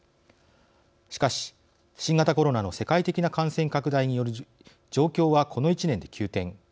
しかし、新型コロナの世界的な感染拡大により状況は、この１年で急転。